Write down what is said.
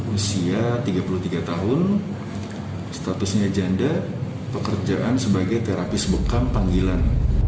usia tiga puluh tiga tahun statusnya janda pekerjaan sebagai terapis bekam panggilan